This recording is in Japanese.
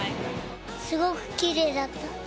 すごくきれいだった。